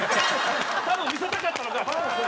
多分見せたかったのか。